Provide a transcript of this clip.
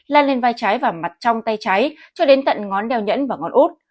la lên vai trái và mặt trong tay trái cho đến tận ngón đeo nhẫn và ngón út